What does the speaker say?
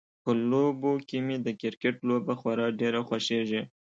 په لوبو کې مې د کرکټ لوبه خورا ډیره خوښیږي